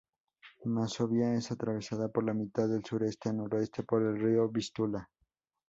Mazovia es atravesada por la mitad de sureste a noreste por el río Vístula.